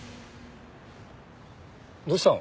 どうしたの？